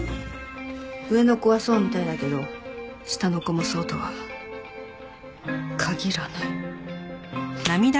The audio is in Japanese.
上の子はそうみたいだけど下の子もそうとは限らない。